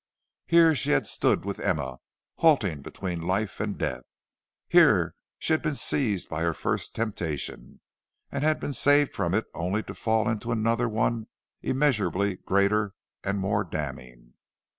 Here she had stood with Emma, halting between life and death. Here she had been seized by her first temptation, and had been saved from it only to fall into another one immeasurably greater and more damning.